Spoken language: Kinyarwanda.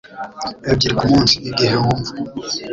ebyiri ku munsi; igihe wumva